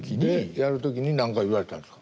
やる時に何か言われたんですか？